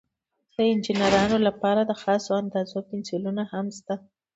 د انجینرانو لپاره د خاصو اندازو پنسلونه هم شته.